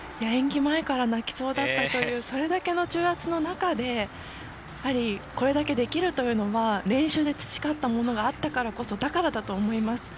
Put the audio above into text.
演技前から泣きそうだったというそれだけの重圧の中でこれだけできるというのは練習で培ったものがあったからこそだからだと思います。